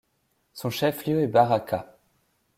Son chef-lieu est Baraka.